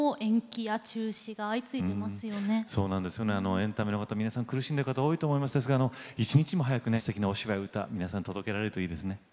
エンタメの方皆さん苦しんでる方多いと思いますが一日も早くねすてきなお芝居歌皆さん届けられるといいですね。